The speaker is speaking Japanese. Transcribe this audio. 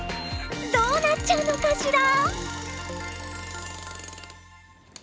どうなっちゃうのかしら。